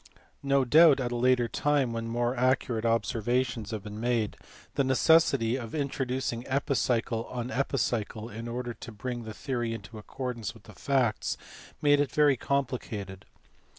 No doubt at a later time, when more accu rate observations had been made, the necessity of introducing epicycle on epicycle in order to bring the theory into accord ance with the facts made it very complicated.